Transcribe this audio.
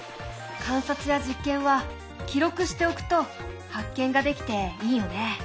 観察や実験は記録しておくと発見ができていいよね。